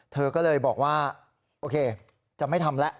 เธอก็เลยบอกว่าโอเคจะไม่ทำแล้ว